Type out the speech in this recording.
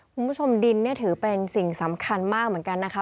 คุณผู้ชมดินเนี่ยถือเป็นสิ่งสำคัญมากเหมือนกันนะคะ